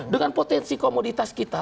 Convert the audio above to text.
dengan potensi komoditas kita